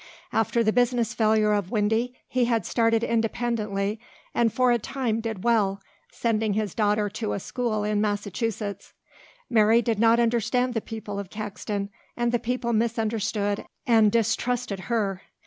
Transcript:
After the business failure of Windy he had started independently and for a time did well, sending his daughter to a school in Massachusetts. Mary did not understand the people of Caxton and the people misunderstood and distrusted her.